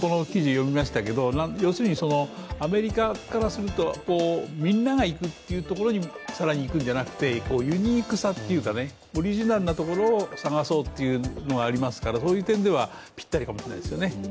アメリカからすると、みんなが行く所に更に行くのではなくてユニークさっていうか、オリジナルなところを探そうというのがありますから、そういう点ではぴったりかもしれないですよね。